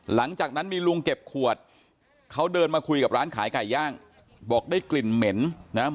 หลังจากนั้นมีลุงเก็บขวดเขาเดินมาคุยกับร้านขายไก่ย่างบอกได้กลิ่นเหม็นนะครับ